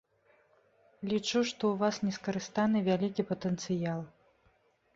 Лічу, што ў вас не скарыстаны вялікі патэнцыял.